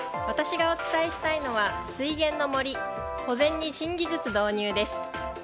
私がお伝えしたいのは水源の森保全に新技術導入です。